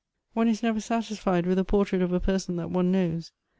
" One is never satisfied with a portrait of a person that one knows.